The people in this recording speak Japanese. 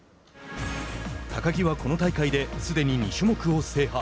高木は、この大会ですでに２種目を制覇。